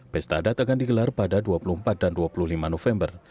pesta adat akan digelar pada dua puluh empat dan dua puluh lima november